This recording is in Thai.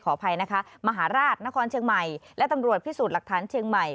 อภัยนะคะมหาราชนครเชียงใหม่และตำรวจพิสูจน์หลักฐานเชียงใหม่